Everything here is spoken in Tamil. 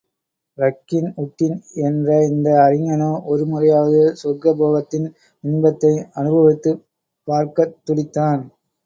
ரக்கின் உட்டின் என்ற இந்த அறிஞனோ, ஒரு முறையாவது சொர்க்க போகத்தின் இன்பத்தை அனுபவித்துப் பார்க்கத் துடித்தான்.